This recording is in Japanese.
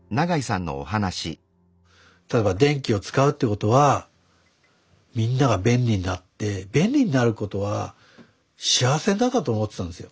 例えば電気を使うということはみんなが便利になって便利になることは幸せなんだと思ってたんですよ。